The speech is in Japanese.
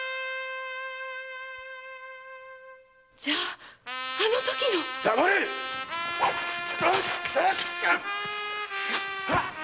じゃああのときの⁉黙れっ！